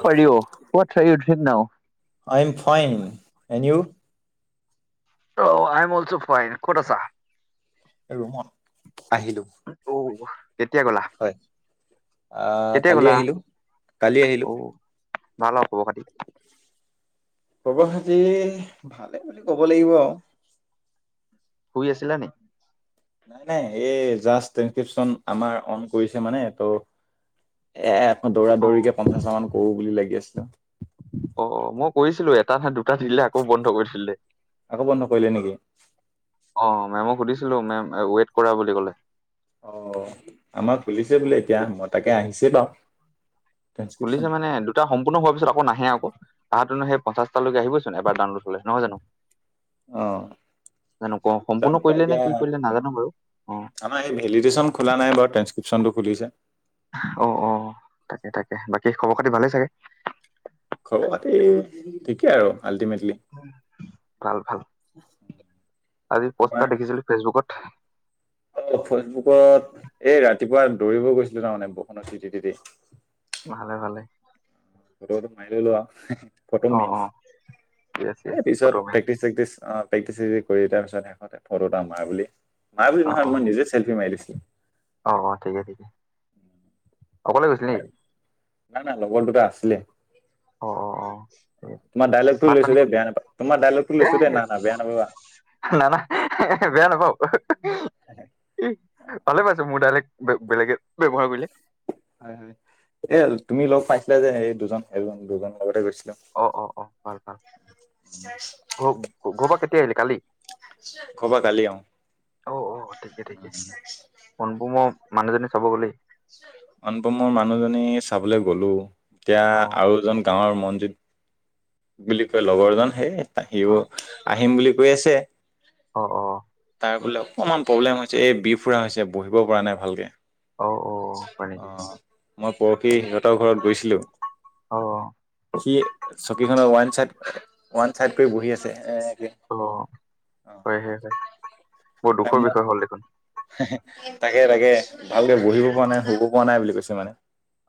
হৰি না [unintelligible] আই am fine, and you? অ, I am also fine. ক'ত আছা? ৰুমত আহিলো। অ', কেতিয়া গলা, হয় আহ কেতিয়া কালি গলা? আহিলো কালি আহিলো অ', ভাল অ, খবৰ খাতি? খবৰ খাতি ভালে বুলি ক'ব লাগিব আৰু। শুই আছিলা নি? নাই -নাই এই জাষ্ট এনক্ৰিপ্যশন আমাৰ অন কৰিছে মানে ত' এ দৌৰা অ', দৌৰিকে পঞ্চাছ মান কৰো বুলি লাগি আছিলো। অ, মই কৰিছিলো এটা দুটা দিলাক। আকৌ বন্ধ কৰি থলে। আকৌ বন্ধ কৰিলে নেকি অ, মেমক সুধিছিলো মেম ৱেইট কৰা বুলি ক'লে। অ, আমাৰ খুলিছে বোলে এতিয়া মই তাকে আহিছে বাৰু। ট্ৰেনস্ক্ৰিপচন খুলিছে মানে সম্পূৰ্ণ হোৱাৰ পিছত আকৈ নাহে আকৌ আহাটোনো সেই পঞ্চশটা লৈ আহিবচোন এবাৰ ডাউনলোড হলে নহয় জানো? অ জানো ক জানো সম্পূৰ্ণ পাই কৰিলে এতিয়া নে কি কৰিলে নাজানো বাৰু অ', আমাৰ এই ভেলিডেশ্যন খোলা নাই বাৰু টেনক্ৰিপশ্যনটো খুলিছে। অ', অ', তাকে - তাকে বাকী খবৰ খাতি ভালেই চাগে? খঘৰ পাতি ঠিকেই আৰু আল্টিমেটলি। ভাল - ভাল, আজি পষ্ট এটা তোমাৰ দেখিছিলো ফেচবুকত অ ফেচবুকত, এই ৰাতিপুৱা দৌৰিব গৈছিলো তাৰ মানে বৰষুণত তিতি তিতি ভালে - ভালে ফটোটো মাৰি ল'লো আৰু ফটো অ', মেইন, অ'। য়েছ য়েছ এ পিছত ফটোমেন প্ৰেক্টিচ প্ৰেক্টিচ অ', প্ৰেক্টিচ চেক্টিচ কৰি তাৰ পিছত শেষত ফটো এটা মাৰ বুলি মাৰ বুলি অ অ নহয় মই নিজেই চেলফি মাৰি লৈছো। অ', অ', ঠিকে ঠিকে অকলে গৈছিলে নেকি? নাই নাই লগৰ দুটা আছিলে অ অ অ ঠিক অ', আছে তোমাৰ ডাইলগটো ভাত পানী লৈছোঁ দেই, বেয়া নাপাবা তোমাৰ ডাইলগটো এ লৈছোঁ দেই, না - না বেয়া নাপাবা। না- না, বেয়া নাপাওঁ। এ ভালে পাইছোঁ মোৰ ডাইলগ বেলেগে ব্যৱহাৰ কৰিলে। হয় - হয়, এই তুমি লগ পাইছিলা যে এই দুজন এজন দুজনৰ লগতে গৈছিলোঁ। অ', অ', অ', ভাল - ভাল ঘ ঘৰৰ পৰা কেতিয়া আহিলে কালি? ঘৰৰ পৰা কালি অ', অনুপমৰ মানুহজনী চাব গলি? অনুপমৰ মানুহজনী চাবলৈ গলোঁ, এতিয়া অ আৰু এজন গাঁৱৰ মনজিত বুলি কয় লগৰ এজন সেই অ সিওঁ আহিম বুলি কৈ আছে। অ', অ', তাৰ বোলে অকণমান প্ৰব্লেম হৈছে এই বিফুৰা হৈছে বহিব পৰা নাই ভালকে অ অ হয় নেকি অ', মই পৰখি সিহঁতৰ ঘৰত গৈছিলোঁ। অ সি চকী খনৰ ওৱান চাইদ, ওৱান চাইদ কৰি বহি আছে এ এনেকে অ হয় হয় হয় বৰ দুখৰ অ', বিষয় হল দেখোন তাকে তাকে ভালকে বহিব পৰা নাই শুব পৰা নাই বুলি কৈছে মানে।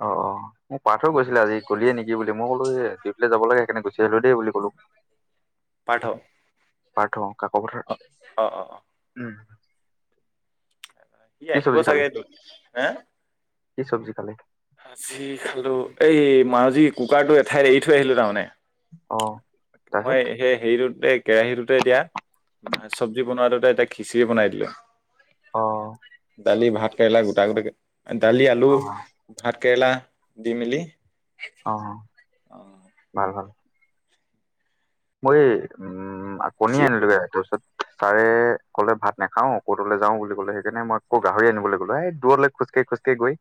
অ', অ', মোক পাৰ্থয়ে কৈছিলে আজি গলিয়েনেকি বুলি মই কলোঁ এ ডিউটিলে যাব লগে সেইকাৰনে গুচি আহিলোঁ দে বুলি কলোঁ। [inaudible] পাৰ্থ পাৰ্থ কাক পথাৰ অ', অ', অ', উম, ই কি আহিব চব্জি খালি চাগেতো হেঁ কি চব্জি খালি? আজি খালোঁ এই মই কুকাৰটো এঠাইত এৰি থৈ আহিলোঁ তাৰমানে অ', তাৰপিছত মই সেই হেৰিটোত কেৰাহীটোতে এতিয়া ভাত চব্জি বনোৱাটোতে এতিয়া খিচিৰি বনাই দিলোঁ। অ দালি ভাত কেৰেলা গোটা গোটা দালি আলু ভাত কেৰেলা দি মেলি অ', অ ভাল ভাল। মই এই উম, কণী আনিলোগে একৈশত ছাৰে ক'লে ভাত নাখাও ক'তলৈ যাওঁ বুলি ক'লে সেইকাৰণে মই আকৌ গাহৰি আনিবলৈ গলো এ দৰলৈ খোজকাঢ়ি খোজ গৈ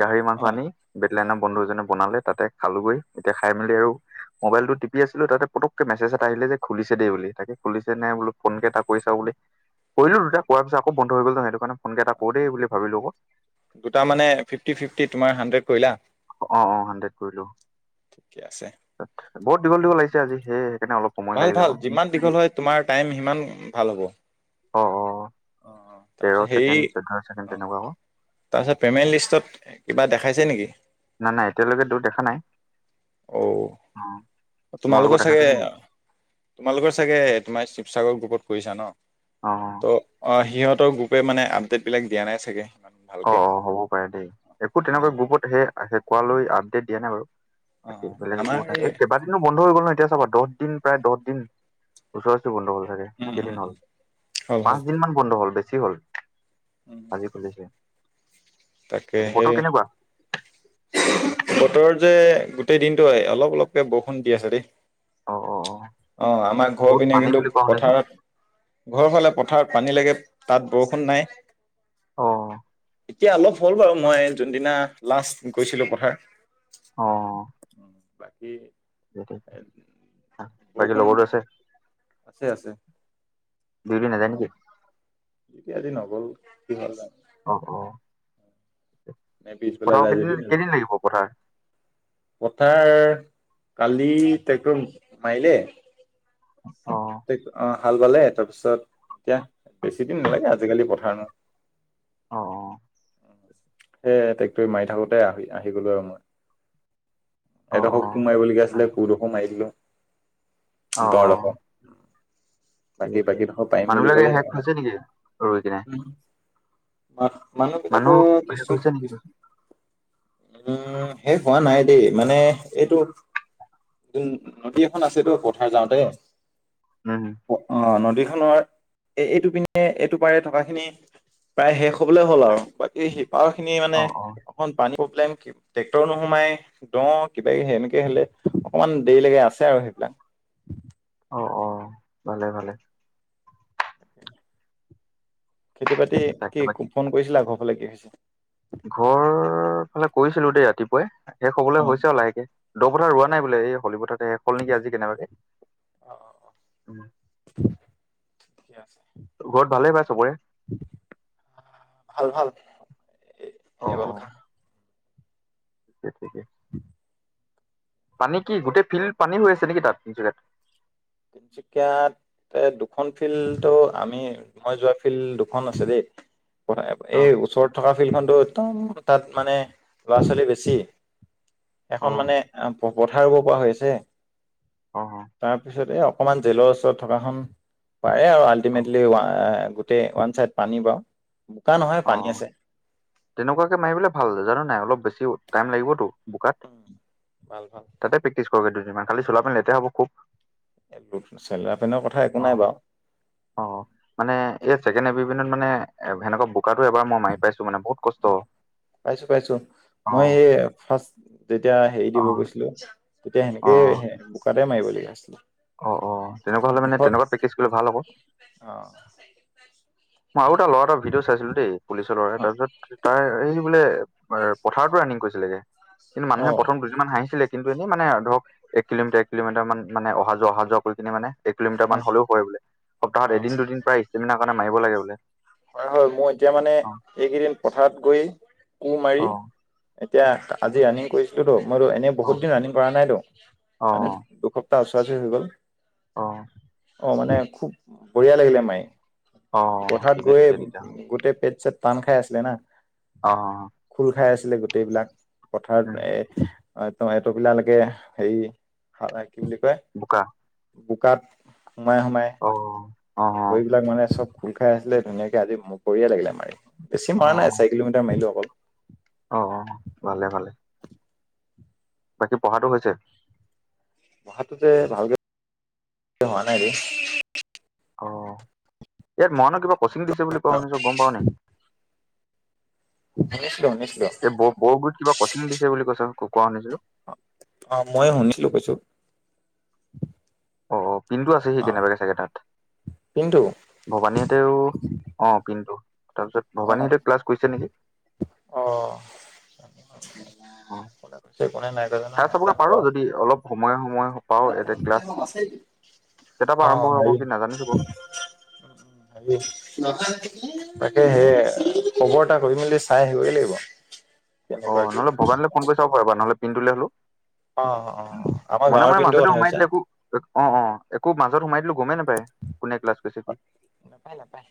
গাহৰি মাংস অ আনি [unintelligible] বন্ধু এজনে বনালে তাতে খালোগৈ, এতিয়া খাই মেলি আৰু মোবাইলটো টিপি আছিলোঁ তাতে পুতক মেছেজ এটা আহিলে যে খুলিছে দেই বুলি তাকে খুলিছে নে নাই বোলো ফোনকে এটা কৰি চাওঁ বুলি কৰিলোঁ দুটা কোৱাৰ পিছত আকৌ বন্ধ হৈ গল নহয় সেই কাৰণে ফোনকে এটা কৰো দেই বুলি ভাবিলো অ'ক দুটা মানে ফিফটি ফিফটি তোমাৰ হাণ্ড্ৰেড কৰিলা অ অ হাণ্ড্ৰেড কৰিলোঁ ঠিকে আছে তাত বহুত দীঘল দীঘল আহিছে আজি সেই সেইকাৰণে অলপ সময় ভাল লাগিলে ভাল আকৌ বিশ যিমান দীঘল মিনিট হয় তোমাৰ টাইম সিমান ভাল হ'ব অ অ অ অ তেৰ ছেকেণ্ড, চৈধ্য ছেকেণ্ড তেনেকুৱা ক তাৰপিছত পেমেণ্ট লিষ্টত কিবা দেখাইছে নেকি? নাই নাই এতিয়া লৈকে টো দেখা নাই অ অ তোমালোকৰ চাগে দেখাইছে নেকি তোমালোকৰ চাগে তোমাৰ শিৱসাগৰ গ্ৰুপত কৰিছা ন অ ত অ সিহত গ্ৰুপে মানে আপডেট বিলাক দিয়া নাই চাগে সিমান, অ অ হ'ব পাৰে দেই! একো তেনেকুৱা অ গ্ৰুপত সেই কোৱালৈ আপডেট দিয়া নাই বাৰু? অ তাকে অ বেলেগে আমাৰ একো কথা এই কেবা দিনো বন্ধ হৈ গ'ল নহয়! এতিয়া চাবা দহ দিন প্ৰায় দহ দিন ওচৰা ওচৰি বন্ধ হ'ল চাগে! উম না উম কেইদিন হল, উম হ'ল হ'ল পাঁচ দিন মান বন্ধ হল! বেছি হল উম আজি খুলিছে? তাকে সেয়ে! বতৰ কেনেকুৱা বতৰত যে গোটেই দিনটো হয়, অলপ অলপকে বৰষুণ দি আছে দেই? অ অ অ অ, আমাৰ ঘৰ বহুত পিনে পানী কিন্তু বুলি কোৱা শুনিছো পথাৰত? ঘৰ ফালে পথাৰত পানী লাগে তাত বৰষুণ নাই? অ এতিয়া অলপ হ'ল বাৰু, মই যোনদিনা লাষ্ট গৈছিলো পথাৰ? অ উম বাকী বাকী বৰষুণ লগটো আছে? আছে আছে ডিউটি অ নাযায় নেকি এতিয়া আজি নগ'ল কি হল যানো অ অ, নে পিছবেলা পথাৰ আও যায় যদি কেইদিন নাজানো কেইদিন লাগিব পথাৰ? পথাৰ কালি ট্ৰেক্টৰ মাৰিলে? অ অ, হাল বালে তাৰপিছত এতিয়া বেছি দিন নালাগে আজিকালি পথাৰ ন অ অ সেই ট্ৰেক্টৰে মাৰি থাকোতে আহি আহি গলো আৰু মই? অ অ এদখ অ কো মাৰিবলগীয়া আছিলে আৰু কো ডোখো মাৰি দিলো? অ অ দডোখৰ ঠিক বাকী আছে বাকী ডখ পাৰিম মানুহ বুলি বিলাকে কলে, শেষ হৈছে নেকি ৰৈ কিনে উম মা, মানুহ মানুহবিলাকো শেষ কিছুু, হৈছে নেকি উম, শেষ হোৱা নাই দেই মানে এইটো? যোন নদী এখন আছে তো পথাৰ যাওঁতে? উম অ, নদীখনৰ এ এইটোপিনে এইটো পাৰে থকা খিনি? প্ৰায় শেষ হবলে হ'ল আৰু বাকী সিপাৰ খিনি অ মানে অ অকণ পানীৰ প্ৰব্লেম। ট্ৰেক্টৰ নোসোমাই দ কিবা কিবি এনেকে হলে অকমান দেৰি লাগে আছে আৰু সেইবিলাক? অঁ, অঁ, ভালে-ভালে। খেতি বাতি তাকে কি? বাকী ফোন কৰিছিলা আ ঘৰ ফালে কি হৈছে? ঘৰ ফালে কৰিছিলো দেই ৰাতিপুৱাই শেষ হবলৈ অ হৈছে আৰু লাহেকে। দ পথাৰ ৰোৱা নাই বোলে এই হলী পথাৰ শেষ হল নেকি আজি কেনেবাকে। অ অ ঠিক আছে। ঘৰত ভালে পায় চবৰে? ভাল ভাল অ এইবল অ খা? [inaudible] পানী কি? গোটেই ফিল্ড পানী হৈ আছে নেকি তাত জেগাত। তুমচ ক [unintelligible] এ দুখন ফিল্ড তটো আমি মই যোৱা ফিল্ড দুখন আছে দেই? অ এই ওচৰত থকা ফিল্ডখনতো একদম তাত মানে ল'ৰা ছোৱালী বেছি? অ এখন মানে অ পথাৰ ৰুব পৰা হৈ আছে। অহ, তাৰপিছতে এ অকমান জেলৰ ওচৰত থকাখন পাৰে আৰু অ অ আল্টিমেটলি এ ওৱান চাইড পানী পাও বোকা নহয় পানী অ আছে। তেনেকুৱাকে মাৰিবলৈ ভাল জাননে নাই? অলপ বেছিও টাইম লাগিবতো বোকাত। উম, ভাল ভাল। তাতে প্ৰেক্টিচ কৰাগৈ দুদিনমান, খালি চোলা পেন্ট লেতেৰা হ'ব খুব। [unintelligible] চেলা পেনৰ কথা একো নাই অ', বাৰু অ', মানে এই ছেকেণ্ড এপিবি এনত মানে সেনেকুৱা বোকাটো এবাৰ মই মাৰি পাইছো মানে, বহুত কষ্ট উহ', পাইছো পাইছো। অ মই এই ফাৰ্ষ্ট যেতিয়া হেৰি অ দিব গৈছিলো তেতিয়া অ সেনেকে বোকাতে মাৰিব লাগিব। অ', অ', তেনেকুৱা হ'লে মানে তেনেকুৱাত প্ৰেক্টিচ কৰিলে ভাল আকৌ। অ', মই আৰু এটা লৰা এটা ভিডিঅ' চাইছিলো দেই অ পুলিচৰ তাৰিছত তাৰ এই বোলে পথাৰতো ৰানিং কৰিছিলেগে কিন্তু অ মানুহে প্ৰথম দুই হাঁহিছিলে কিন্তু এনেই মানে ধৰক এক কিলোমিটাৰ এক কিলোমিটাৰ মান মান অহাোৱা অহা যোৱা কৰি কিনে মানে। এক কিলোমিটাৰ অ মান হলেও হয় বোলে অ সপ্তাহত এদ দুদিন প্ৰায় ইষ্টেমিনৰ কাৰণে মাৰিব লাগে বোলে। কৰা হয় মোৰ এতিয়া মানে অ', এইকেইদিন পথাৰত গৈ কোৰ মাৰি। অ', এতিয়া আজি ৰানি কৰিছিলো তো মইতো এনেই অ', বহুত দিন ৰানিং কৰা নাইতো মানে অ', দুখ ত ওচৰাচৰি হৈ গ'ল। অ', অ, মানে খুব বঢ়িয়া লাগিলে মাৰি। অ, পথাৰত ঠিক আছে। গৈ গোটেই পেট চেট তান খাই আছিলে না অ', খোল খাই আছিলে গোটেইবিলাক উম, পথাৰত এ অ, তপিলা এইটোপিলালৈকে হেৰি কি বুলি কয় বোকা বোকাত সোমাই-সোমাই, অ অ', ভৰি বিলাক মানে চব খোল খাই আছিলে ধুনীয়াকে আজি বঢ়িয়া লাগিলে কৰি আমাৰ। বেছি মৰা নাই চাৰি কিলোমিটাৰ মাৰিলো অকল, অ অ ভালে ভালে। বাকী পঢ়াটো হৈছে। পঢ়াটো যে ভালকে হোৱা নাই দেই। অ ইয়াত মৰাণৰ কিবা কচিং দিছে বুলি কোৱা শুনিছো গম পাৱও নি। শুনিছিলো শুনিছিলো। বৰ গুৰিত কিব কচিং দিছে বুলি কৈছ কোৱা শুনিছো। অ মই শুনিছিলো কৈছো। অ পিনটো আছে সি অ কেনেবাকে চাগে তাত, কিন্তু ভবানীহঁতেও অ পিনটো তাৰ পিছত অ ভবানীহতে ক্লাছ কৰিছে নেকি। অ অ কোনে কৈছে কোনে নাই কোৱা জানো চাই চাবগে নাজানো পাৰো বাৰু যদি অলপ সময়ে সময়ে পাও এয়া ক্লাছ কেইটাৰ অ পৰা আৰম্ভ হয় হেৰি আকৌ কি নাজানিছো বাৰু [unintelligible] তাকে সেয় খবৰ এটা কৰি মেলি চাই আহিবগে লাগিব। অ কেনেকুৱা কি নহলে ভবানিলে ফোন কৰি চাওক এবাৰ নহলে পিনন্টোলে হ'লো। অ অ অ, মনে মনে মাজতে সোমাই দিলো একো অ অ একো মাজত সোমাই দিলো গমেই নাপায়। কোনে ক্লাছ কৰিছে কি। নাপায় ন। নাপায়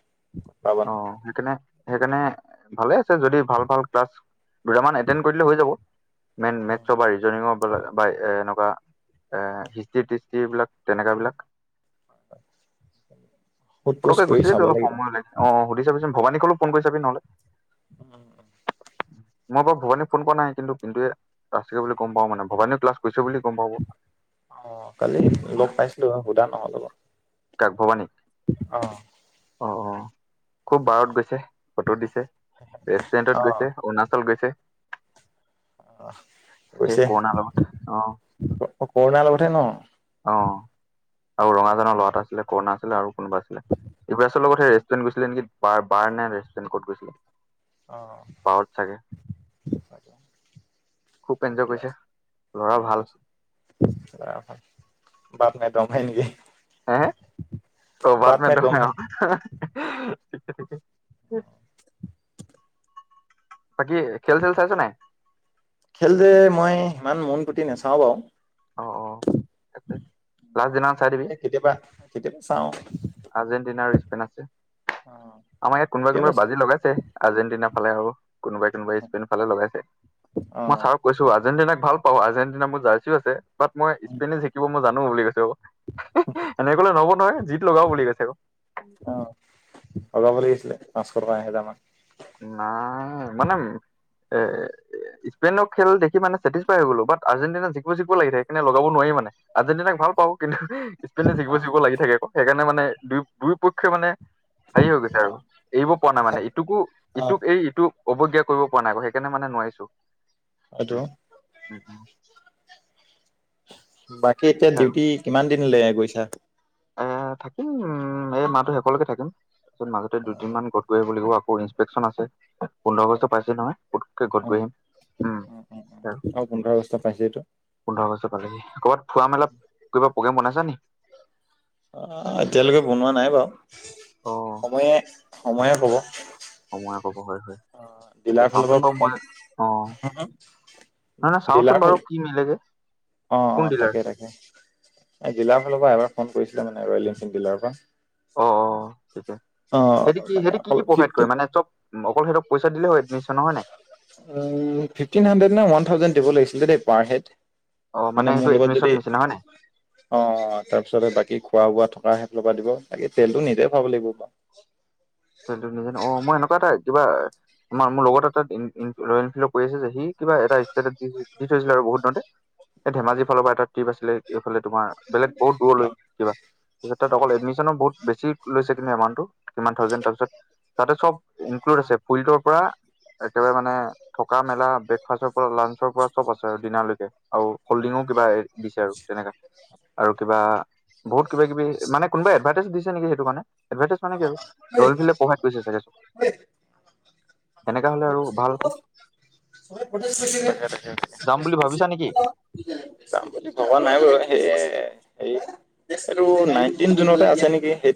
পাবা অ সেকানে। সেইকাৰণে ভালে আছে যদি ভাল ভাল ক্লাছ দুটামান এড কৰি হৈ যাব। মেইন মেটচৰ বা ৰিজনিঙৰ বা এ এনেকুৱা এ হিষ্টি [unintelligible] বিলাক তেনেকা বিলাক সোধ পোছ পতকে কৰি গুচি যাবি চাব অলপ সময় ওলাই। অ সুধি চাবিচোন ভৱানীকলো ফোন কৰি চাবি নহ'লে। [unintelligible] মই বাৰু ভৱানীক ফোন কৰা নাই। কিন্তু পিনটোৱে আছিলে বুলি গম পাওঁ মানে ভবানী ক্লাছ কৰিছে বুলি গম পাব। অ কালি লগ পাইছিলো বাৰু সোধা নহ'ল অলপ, কাক, ভৱানীক? অ, অ অ খুৱ বাৰত গৈছে। ফটো দিছে ৰেষ্টুৰেণ্টত অ', গৈছে অৰুণাচল গৈছে। অ সেই গৈছে কৰোণাৰ লগত অ কৰুণাৰ লগতহে ন। অ আৰু অ', ৰঙাজানৰ ল'ৰা এটা আছিলে, কৰুণা আছিলে আৰু কোনোবা আছিলে। [unintelligible] আছিল অ', লগতহে ৰেষ্টুৰেণ গৈছিলে নেকি? বাৰ বাৰ নে ৰেষ্টুৰেণ ক'ত গৈছিলে। অ', বাৰত চাগে। খুৱ এনঞ্জয় ঠিকে কৰিছে ল'ৰাও ভাল। ল'ৰা ভাল [unintelligible] হে বাদ মে দম হে [unintelligible] বাকী খেল-চেল চাইছ নাই? খেল যে মই ইমান মন পুতি নাচাওঁ বাৰু অ অ তাকে লাষ্ট দিনা চাই দিবি। কেতিয়াবা, কেতিয়াবা চাওঁ। আৰ্জেণ্টিনা আৰু স্পেন আছে। অ',। আমাৰ ইয়াত কেতিয়াবা কোনোবা-কোনোবাই বাজি লগাইছে, আৰ্জেণ্টিনা ফালে আৰু কোনোবাই-কোনোবাই স্পেন ফালেও লগাইছে। মই অ', চা কৈছো। আৰ্জেণ্টিনাক ভাল পাওঁ, আৰ্জেণ্টিনা মোৰ জাৰ্চিও আছে, বাত মই স্পেনে জিকিলে জিকিব মই জানো বুলি কৈছে অ',। এনেক'লে নহ'ব নহয়, জিত লগাও বুলি কৈছে আকৌ। অ', লগাব লাগিছিলে, পাঁচশ টকা-এহেজাৰ মান। নাই, মানে এ স্পেইনৰ খেল দেখি মানে ছেটিচফাই হৈ গ'লো। বাত আৰ্জেণ্টিনা জিকিব-জিকিব লাগি থাকে, সেইকাৰণে লগাব নোৱাৰি মানে। আৰ্জেণ্টিনাক ভাল পাওঁ। কিন্তু, অ', জিকিব-জিকিব লাগি থাকে আকৌ সেইকাৰণে মানে, দু-দুয়ো পক্ষই মানে হেৰি হৈ গৈছে আৰু অ', এৰিব পৰা নাই মানে। ইটোকো, অ', ইটোক এৰি ইটোক অৱজ্ঞা কৰিব পৰা নাই, আকৌ সেইকাৰণে মানে নোৱাৰিছো। উম [inaudible] উম, উম, বাকী, এতিয়া আৰু ডিউটি কিমান দিন লকে গৈছা? এ, থাকিম উম, এই মাহটোৰ শেষলৈকে থাকিম। তাৰপিছত, মাজতে দুদিনমান ঘৰত হৈ আহিব লাগিব, আকৌ ইন্সপেক্টচন আছে। পোন্ধৰ আগষ্ট পাইছেহি নহয়, পোতোকে ঘৰত অ', গৈ আহিম। উম, আৰু পোন্ধৰ আগষ্ট পাইছে এইটো পোন্ধৰ আগষ্ট পালেহি। ক'বাত ফুৰা- মেলা কিবা প্ৰগেম বনাইছা নি? অ', এতিয়ালৈকে বনোৱা নাই বাৰু, অ সময়ে-সময়ে ক'ব। সময় ক'ব হয় হয় অ', তাকে ডিলাৰ ফালৰ চাওঁচোন পৰা বাৰু ফো, মই অ নহয় হা নহয় চাওঁচোন দিলাৰ বাৰু ফালৰ কি মিলেগে অ, অ, কোন ডিলাৰ তাকে-তাকে। ডিলাৰ ফালৰ পৰা এবাৰ ফোন কৰিছিলে মানে, ৰয়েল এনফিল্ড ডিলাৰ পৰা। অ, অ, সেইটোৱে, অ সিঁহতি কি মানে সিঁহতি কি অকল কি প্ৰভাইড কৰে? ফিফটিন মানে চব অকল সিহঁতক পইচা দিলে হয়, এডমিশ্যনৰ, হয় নাই? ফিফটিন হাণ্ড্ৰেড নে, ওৱান থাউজেণ্ড দিব লাগিছিলে দেই, পাৰ হেড। অ মানে, সেইটো মোৰ লগত এডমিশন যদি নিচিনা হয় নাই অ, তাৰপিছতে বাকী খোৱা বোৱা থকা সেইফালৰ পৰা দিব বাকী, তেলটো নিজে খাব লাগিব বা [inaudible] কিবা এটা ষ্টেটত দি থৈছিলে আৰু বহুত দিনতে এই ধেমাজিৰ অ ফালৰ পৰা এটা আছিলে এইফে তোমাৰ বেলেগ বহুত দূৰলৈ অ কিবা, তাৰপিছ তাত অ অকল এডমিশ্যন বহুত বেছি লৈছে কিন্তু এমউটটো কিমান থাউজেড তাৰপিছত তাতে চ'ব ইনক্লড আছে, কোৰিদৰ পৰা একেবাৰে মানে থকা মেলা ব্ৰেকফাষ্টৰ পৰা লাঞ্চৰ পৰা চ'ব আছে আৰু ডিনাৰলৈকে। আৰু হল্ডিঙও কিবা এ দিছে আৰু তেনেকে। আৰু কিবা বহুত কিবা- কিবি মানে কোনোবা এডভাৰ্টাইজ দিছে নেকি, সেইটো কাৰণে এডভাৰ্টাইজ মানে কি আৰু ৰলভিলাক প্ৰভাইট কৰিছে চাগে, তেনেকে হ'লে আৰু ভাল হ বুলি ভাবিছা নেকি? [unintelligible] যাম বুলি ভগা নাই বাৰু, সেয়াই হে এইটো নাইনটিন জুনতে আছে নেকি সেই